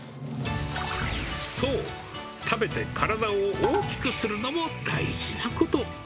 そう、食べて体を大きくするのも大事なこと。